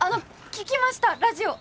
聴きましたラジオ！